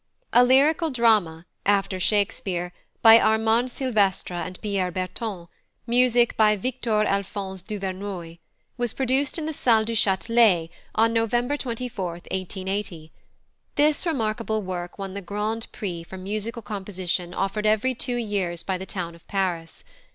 A lyrical drama, after Shakespeare, by Armand Silvestre and Pierre Berton, music by +Victor Alphonse Duvernoy+, was produced in the Salle du Chatelet on November 24, 1880. This remarkable work won the Grand Prix for musical composition offered every two years by the town of Paris.